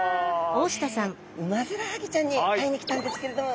ウマヅラハギちゃんに会いに来たんですけれども。